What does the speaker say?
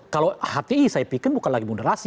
kalau hti saya pikir bukan lagi moderasi